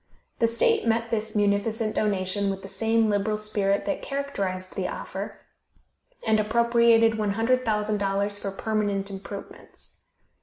The state met this munificent donation with the same liberal spirit that characterized the offer, and appropriated $100,000 for permanent improvements.